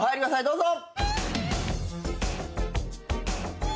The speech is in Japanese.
どうぞ。